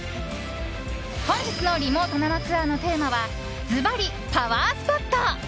本日のリモート生ツアーのテーマはずばり、パワースポット。